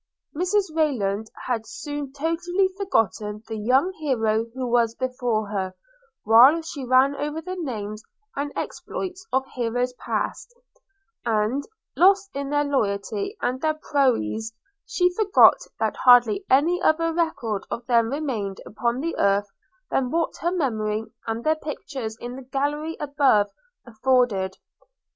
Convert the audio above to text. Mrs Rayland had soon totally forgotten the young hero who was before her, while she ran over the names and exploits of heroes past; and, lost in their loyalty and their prowess, she forgot that hardly any other record of them remained upon earth than what her memory and their pictures in the gallery above afforded.